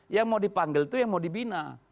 yang mau dipanggil itu yang mau dibina